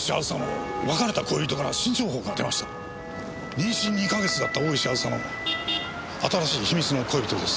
妊娠２か月だった大石あずさの新しい秘密の恋人です。